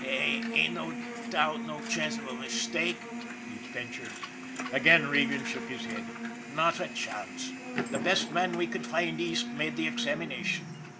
Ain't no doubt, no chance of a mistake? " he ven tured. Again Regan shook his head. " Not a chance. The best man we could find East made the examination.